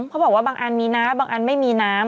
เขาบอกว่าบางอันมีน้ำบางอันไม่มีน้ำ